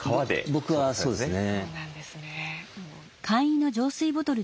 僕はそうですね。